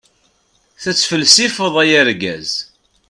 Tettfelsifeḍ a yargaz.